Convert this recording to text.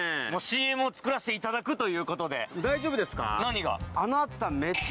ＣＭを作らせていただくということで何が？